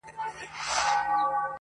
نه يوازي فرد پورې-